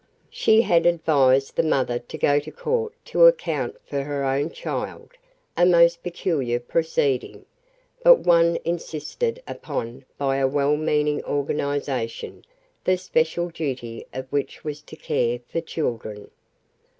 She had advised the mother to go to court to account for her own child, a most peculiar proceeding, but one insisted upon by a well meaning organization, the special duty of which was to care for children.